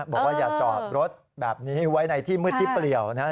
บอกว่าอย่าจอดรถแบบนี้ไว้ในที่มืดที่เปลี่ยวนะครับ